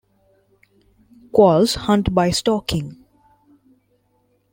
Quolls hunt by stalking.